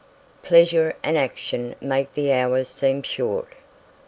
"Pleasure and action make the hours seem short."